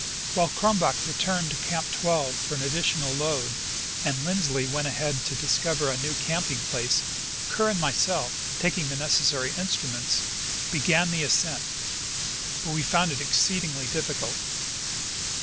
While Crumback returned to Camp 12 for an additional load and Lindsley went ahead to discover a new canaping place, Kerr and myself, taking the neces sary instruments, began the ascent ; but we found it exceedingly difficult.